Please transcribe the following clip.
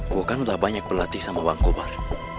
gue kan udah banyak berlatih sama bang komar